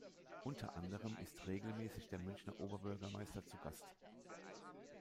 Unter anderem ist regelmäßig der Münchner Oberbürgermeister zu Gast.